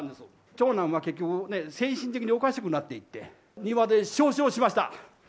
長男は結局、精神的におかしくなっていって、庭で焼死をしました。